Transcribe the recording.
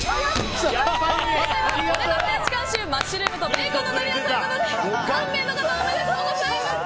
正解は俺のフレンチ監修マッシュルームとベーコンのドリアということで３名の方、おめでとうございます。